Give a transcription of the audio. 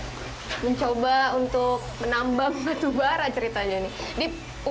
inilah pekerjaan tersebut mengambil batubara pada waktu itu